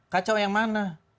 kacau yang mana